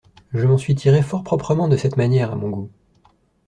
Je m'en suis tiré fort proprement de cette manière, à mon goût.